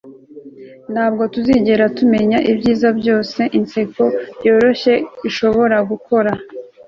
ntabwo tuzigera tumenya ibyiza byose inseko yoroshye ishobora gukora